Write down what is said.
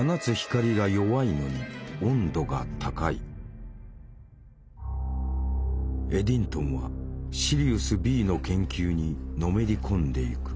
観測によるとエディントンはシリウスＢの研究にのめり込んでいく。